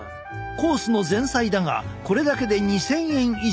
コースの前菜だがこれだけで２，０００円以上。